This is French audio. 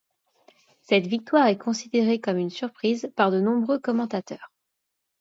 Cette victoire est considérée comme une surprise par de nombreux commentateurs.